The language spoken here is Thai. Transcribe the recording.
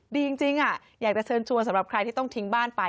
ดีจริงอยากจะเชิญชวนสำหรับใครที่ต้องทิ้งบ้านไป